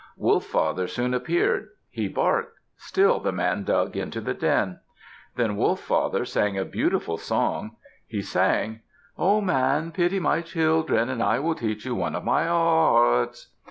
Wolf Father soon appeared. He barked. Still the man dug into the den. Then Wolf Father sang a beautiful song. He sang, "O man, pity my children, and I will teach you one of my arts."